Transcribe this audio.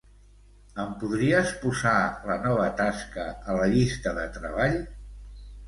Em podries posar la nova tasca a la llista de treball?